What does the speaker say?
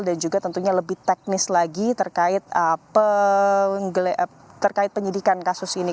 juga tentunya lebih teknis lagi terkait penyidikan kasus ini